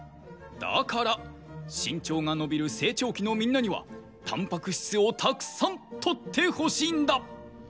だからしんちょうが伸びるせいちょうきのみんなにはたんぱく質をたくさんとってほしいんだ！